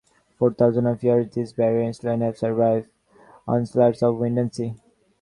For thousands of years these barrier islands have survived onslaughts of wind and sea.